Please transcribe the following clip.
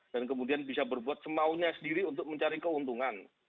dan kemudian bisa berbuat semaunya sendiri untuk mencari keuntungan